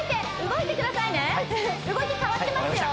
動き変わってますよ